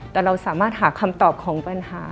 แต่เราสามารถหาคำตอบของปัญหา